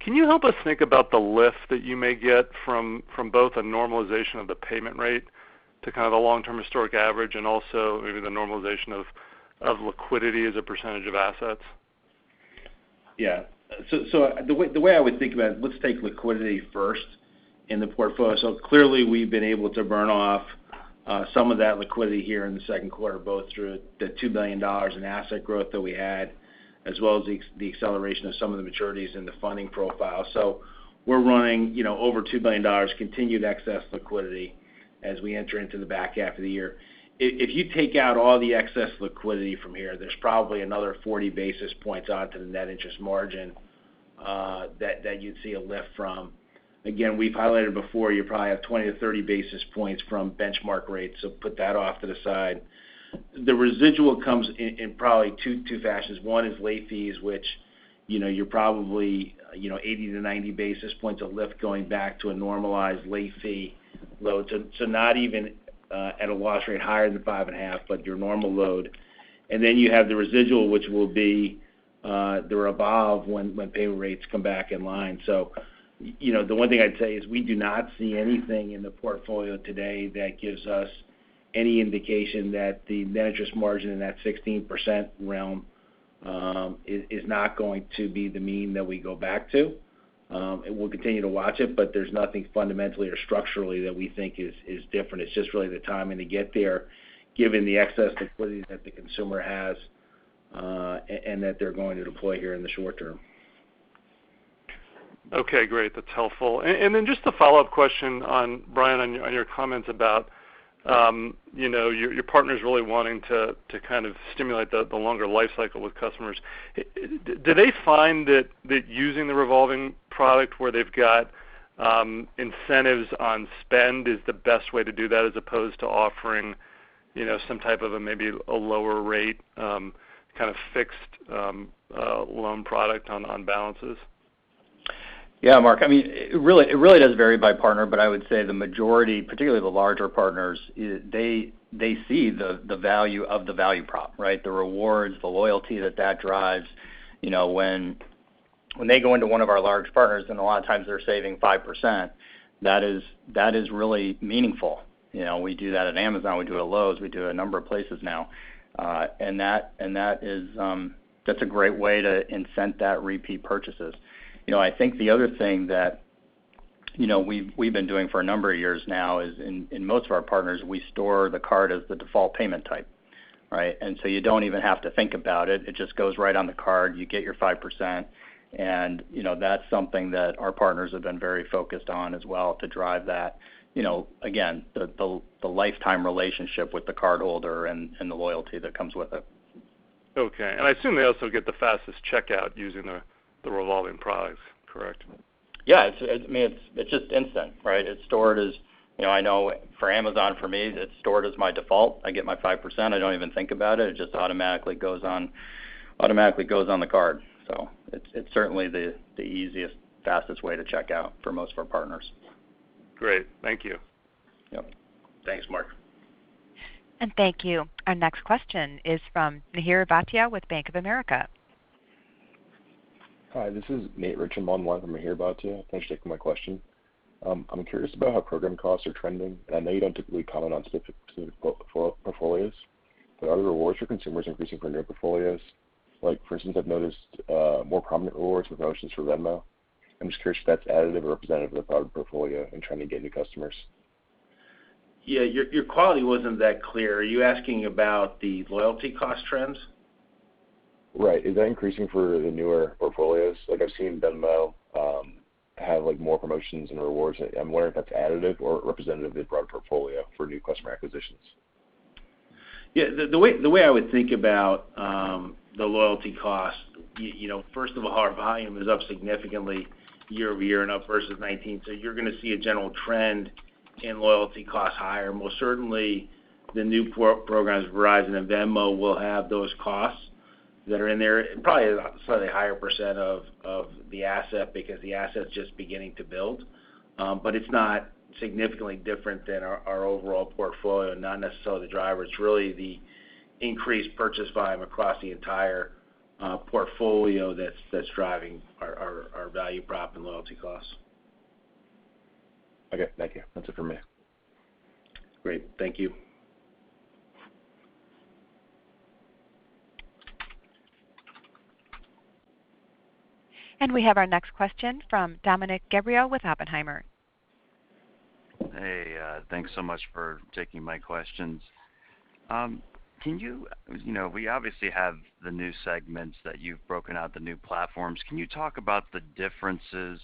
can you help us think about the lift that you may get from both a normalization of the payment rate? to kind of the long-term historic average and also maybe the normalization of liquidity as a percent of assets? Yeah. The way I would think about it, let's take liquidity first in the portfolio so clearly, we've been able to burn off some of that liquidity here in the Q2, both through the $2 billion in asset growth that we had, as well as the acceleration of some of the maturities in the funding profile. We're running over $2 billion continued excess liquidity as we enter into the back half of the year. If you take out all the excess liquidity from here, there's probably another 40 basis points on to the net interest margin- That you'd see a lift from. We've highlighted before, you probably have 20 to 30 basis points from benchmark rates so put that off to the side. The residual comes in probably two fashions one, is late fees, which you're probably 80 to 90 basis points of lift going back to a normalized late fee load not even at a loss rate higher than 5.5, but your normal load. Then you have the residual, which will be the revolve when payment rates come back in line. The one thing I'd say is we do not see anything in the portfolio today that gives us any indication that the net interest margin in that 16% realm is not going to be the mean that we go back to. We'll continue to watch it, but there's nothing fundamentally or structurally that we think is different it's just really the timing to get there, given the excess liquidity that the consumer has, and that they're going to deploy here in the short term. Okay, great that's helpful. Just a follow-up question, Brian, on your comments about your partners really wanting to kind of stimulate the longer life cycle with customers. Do they find that using the revolving product where they've got incentives on spend is the best way to do that as opposed to offering some type of maybe a lower rate, kind of fixed loan product on balances? Yeah, Mark i mean it really does vary by partner, but I would say the majority, particularly the larger partners, they see the value of the value prop, right the rewards, the loyalty that drives. When they go into one of our large partners, and a lot of times they're saving 5%, that is really meaningful we do that at Amazon, we do it at Lowe's, we do a number of places now. That's a great way to incent that repeat purchases. You know i think the other thing that we've been doing for a number of years now is in most of our partners, we store the card as the default payment type right? You don't even have to think about it. It just goes right on the card, you get your 5%, and that's something that our partners have been very focused on as well to drive that. Again, the lifetime relationship with the cardholder and the loyalty that comes with it. Okay. I assume they also get the fastest checkout using the revolving products, correct? Yeah. It's just instant, right? I know for Amazon, for me, it's stored as my default i get my 5%, I don't even think about it. It just automatically goes on the card. It's certainly the easiest, fastest way to check out for most of our partners. Great. Thank you. Yep. Thanks, Mark. And thank you. Our next question is from Mihir Bhatia with Bank of America. Hi, this is Nate Richmond, online from Mihir Bhatia. Thanks for taking my question. I'm curious about how program costs are trending, and I know you don't typically comment on specific portfolios, but are the rewards for consumers increasing for newer portfolios? Like for instance, I've noticed more prominent rewards with promotions for Venmo. I'm just curious if that's additive or representative of the product portfolio in trying to get new customers? Yeah. Your quality wasn't that clear are you asking about the loyalty cost trends? Right. Is that increasing for the newer portfolios? Like I've seen Venmo have more promotions and rewards, and I'm wondering if that's additive or representative of the broader portfolio for new customer acquisitions. Yeah. The way I would think about the loyalty cost, first of all, our volume is up significantly year-over-year and up versus 2019 you're going to see a general trend in loyalty costs higher most certainly, the new programs, Verizon and Venmo, will have those costs that are in there, probably a slightly higher percent of the asset because the asset's just beginning to build. It's not significantly different than our overall portfolio not necessarily the driver it's really the increased purchase volume across the entire portfolio that's driving our value prop and loyalty costs. Okay. Thank you. That's it for me. Great. Thank you. We have our next question from Dominick Gabriele with Oppenheimer. Thanks so much for taking my questions. We obviously have the new segments that you've broken out the new platforms can you talk about the differences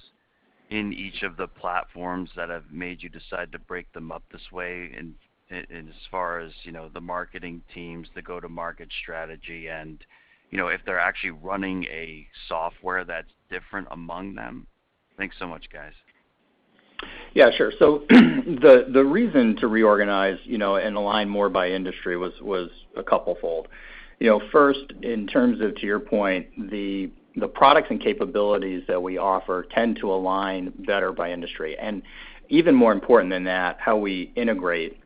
in each of the platforms that have made you decide to break them up this way in as far as the marketing teams, the go-to-market strategy, and you know if they're actually running a software that's different among them? Thanks so much, guys. Yeah, sure. The reason to reorganize and align more by industry was a couple fold. First, in terms of, to your point, the products and capabilities that we offer tend to align better by industry. Even more important than that, how we integrate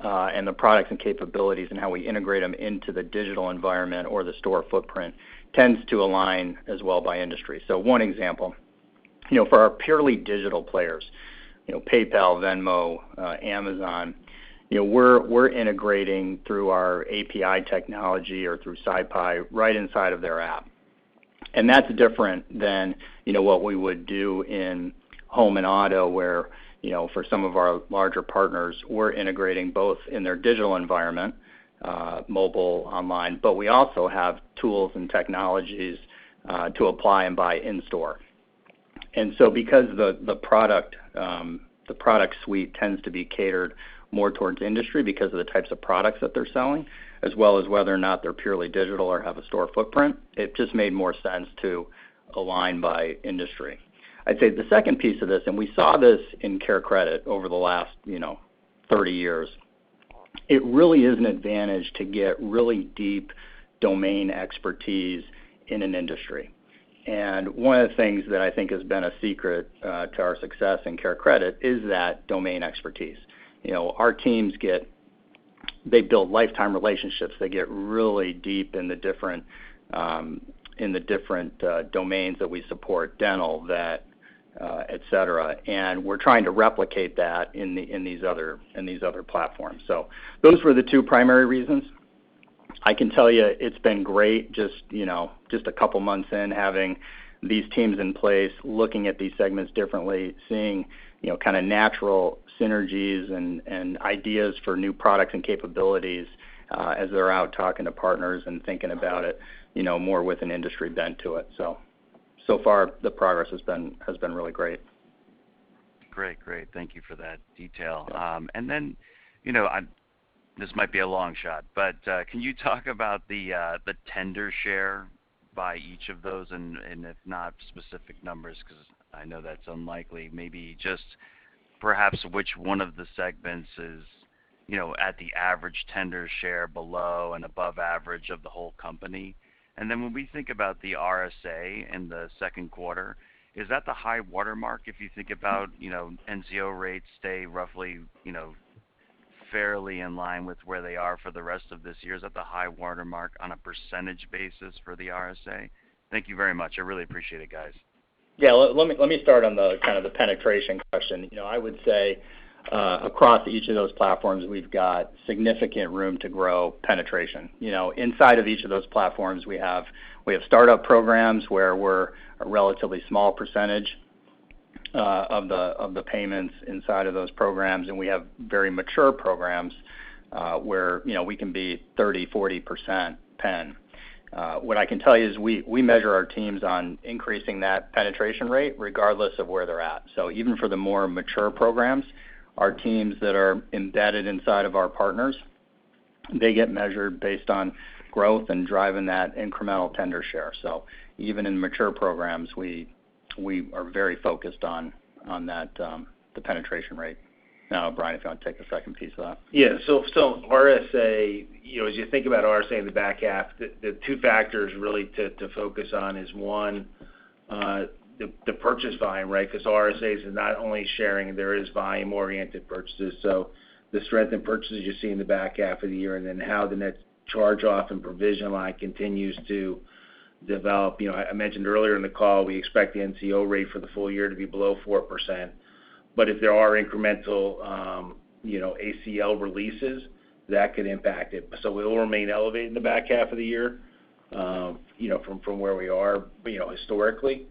and the products and capabilities and how we integrate them into the digital environment or the store footprint tends to align as well by industry so one example. For our purely digital players, PayPal, Venmo, Amazon, we're integrating through our API technology or through SyPi right inside of their app. That's different than what we would do in Home and Auto where for some of our larger partners, we're integrating both in their digital environment, mobile, online, but we also have tools and technologies to apply and buy in store. Because the product suite tends to be catered more towards industry because of the types of products that they're selling, as well as whether or not they're purely digital or have a store footprint, it just made more sense to align by industry. I'd say the second piece of this, and we saw this in CareCredit over the last 30 years, it really is an advantage to get really deep domain expertise in an industry. One of the things that I think has been a secret to our success in CareCredit is that domain expertise. Our teams, they build lifetime relationships they get really deep in the different domains that we support, dental, vet, et cetera and, we're trying to replicate that in these other platforms. Those were the two primary reasons. I can tell you it's been great just a couple months in, having these teams in place, looking at these segments differently, seeing kind of natural synergies and ideas for new products and capabilities as they're out talking to partners and thinking about it more with an industry bent to it so far the progress has been really great. Great. Thank you for that detail. This might be a long shot, but can you talk about the tender share by each of those? If not specific numbers, because I know that's unlikely, maybe just perhaps which one of the segments is at the average tender share below and above average of the whole company? When we think about the RSA in the Q2, is that the high watermark if you think about NCO rates stay roughly fairly in line with where they are for the rest of this year is that the high watermark on a percentage basis for the RSA? Thank you very much i really appreciate it, guys. Yeah. Let me start on the kind of the penetration question i would say, across each of those platforms, we've got significant room to grow penetration you know inside of each of those platforms, we have startup programs where we're a relatively small percentage of the payments inside of those programs, and we have very mature programs where we can be 30%, 40% pen. What I can tell you is we measure our teams on increasing that penetration rate regardless of where they're at. Even for the more mature programs, our teams that are embedded inside of our partners, they get measured based on growth and driving that incremental tender share. Even in mature programs, we are very focused on the penetration rate. Brian, if you want to take the second piece of that. Yeah. As you think about RSA in the back half, the two factors really to focus on is one, the purchase volume, right? because RSAs are not only sharing, there is volume-oriented purchases. The strength in purchases you see in the back half of the year, and then how the net charge-off and provision line continues to- -develop i mentioned earlier in the call, we expect the NCO rate for the full year to be below 4%, but if there are incremental ACL releases, that could impact it it'll remain elevated in the back half of the yea,r from where we are historically,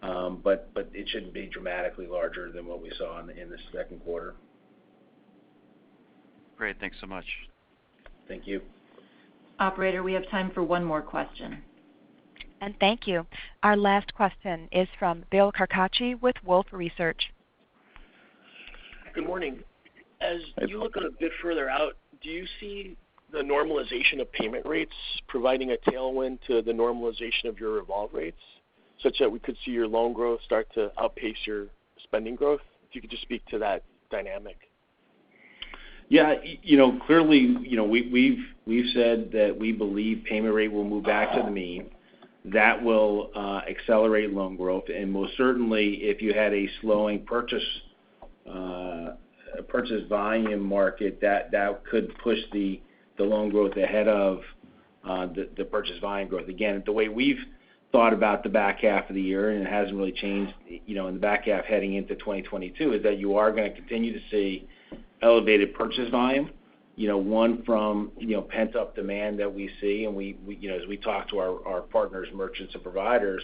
but it shouldn't be dramatically larger than what we saw in the Q2. Great. Thanks so much. Thank you. Operator, we have time for one more question. Thank you. Our last question is from Bill Carcache with Wolfe Research. Good morning. As you look a bit further out, do you see the normalization of payment rates providing a tailwind to the normalization of your revolve rates, such that we could see your loan growth start to outpace your spending growth? If you could just speak to that dynamic. Yeah. Clearly, we've said that we believe payment rate will move back to the mean. That will accelerate loan growth and most certainly, if you had a slowing purchase volume market, that could push the loan growth ahead of the purchase volume growth again, the way we've thought about the back half of the year, and it hasn't really changed in the back half heading into 2022, is that you are going to continue to see elevated purchase volume. One from pent-up demand that we see as we talk to our partners, merchants, and providers,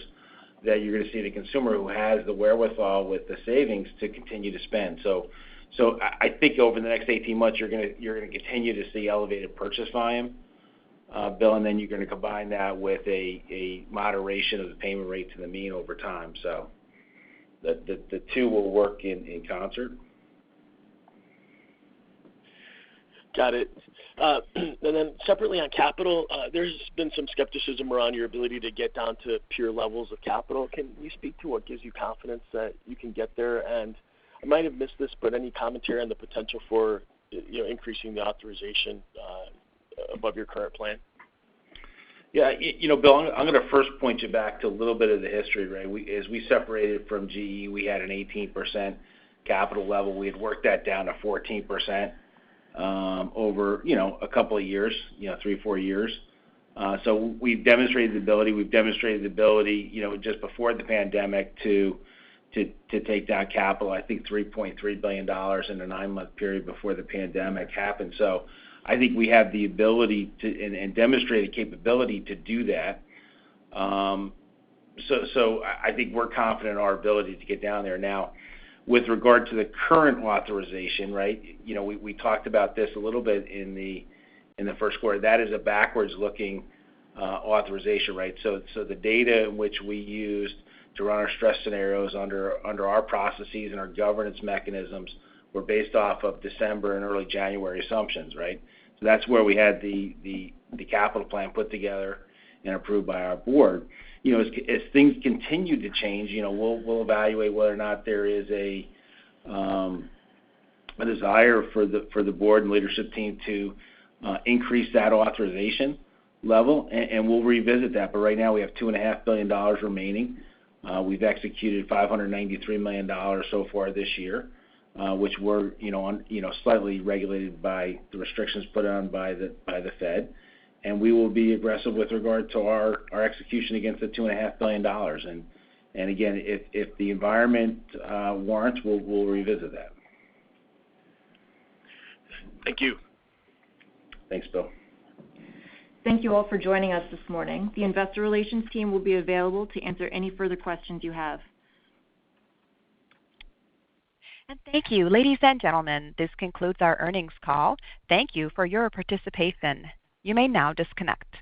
that you're going to see the consumer who has the wherewithal with the savings to continue to spend. I think over the next 18 months, you're going to continue to see elevated purchase volume, Bill, and then you're going to combine that with a moderation of the payment rate to the mean over time. The two will work in concert. Got it. Separately on capital, there's been some skepticism around your ability to get down to peer levels of capital can you speak to what gives you confidence that you can get there? I might have missed this, but any commentary on the potential for increasing the authorization above your current plan? Yeah. Bill, I'm going to first point you back to a little bit of the history, right? as we separated from GE, we had an 18% capital level we had worked that down to 14% over a couple of years, three, four years. We've demonstrated the ability we've demonstrated the ability just before the pandemic to take down capital, I think $3.3 billion in a 9-month period before the pandemic happened. I think we have the ability and demonstrated capability to do that. I think we're confident in our ability to get down there now with regard to the current authorization, right? we talked about this a little bit in the Q1 that is a backwards-looking authorization, right? the data in which we used to run our stress scenarios under our processes and our governance mechanisms were based off of December and early January assumptions, right? That's where we had the capital plan put together and approved by our board. As things continue to change, we'll evaluate whether or not there is a desire for the board and leadership team to increase that authorization level, and we'll revisit that right now we have $2.5 billion remaining. We've executed $593 million so far this year which were slightly regulated by the restrictions put on by the Fed. We will be aggressive with regard to our execution against the $2.5 billion. Again, if the environment warrants, we'll revisit that. Thank you. Thanks, Bill. Thank you all for joining us this morning. The investor relations team will be available to answer any further questions you have. Thank you, ladies and gentlemen. This concludes our earnings call. Thank you for your participation. You may now disconnect.